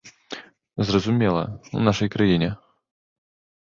Зразумела, у іншай краіне.